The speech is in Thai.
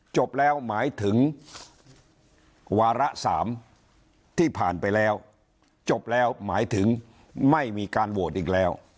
จบแล้วหมายถึงวาระ๓ที่ผ่านไปแล้วจบแล้วหมายถึงไม่มีการโหวตอีกแล้ว